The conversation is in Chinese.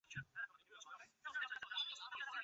这也导致了里贝克的引咎辞职。